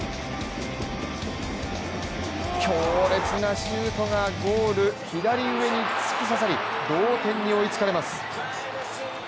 強烈なシュートがゴール左上に突き刺さり同点に追いつかれます。